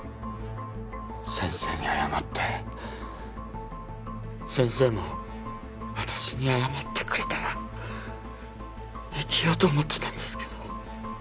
先生に謝って先生も私に謝ってくれたら生きようと思ってたんですけど。